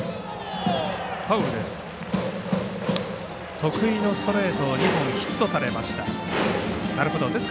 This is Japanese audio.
得意のストレートを２本ヒットされました。